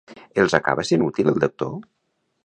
Els acaba sent útil el doctor?